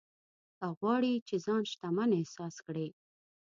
که غواړې چې ځان شتمن احساس کړې.